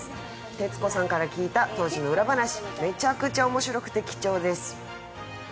徹子さんから聞いた当時の裏話めちゃくちゃ面白くて貴重です。